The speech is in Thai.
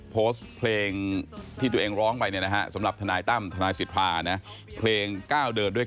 ของคนบ้างทุกทน